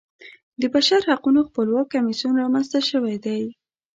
د بشرحقونو خپلواک کمیسیون رامنځته شوی دی.